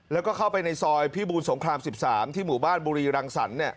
แล้วก็เข้าไปในซอยพิบูรสงคราม๑๓ที่หมู่บ้านบุรีรังสรรค์